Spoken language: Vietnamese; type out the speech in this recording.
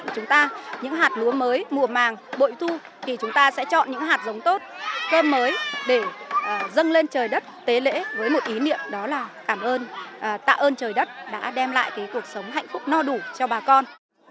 chúng ta sẽ chọn những hạt giống tốt cơm mới để dâng lên trời đất tế lễ với một ý niệm đó là cảm ơn tạ ơn trời đất đã đem lại cuộc sống hạnh phúc no đủ cho bà con